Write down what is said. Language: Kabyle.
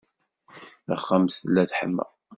Taxxamt tella teḥma.